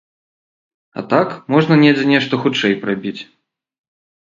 А так, можна недзе нешта хутчэй прабіць.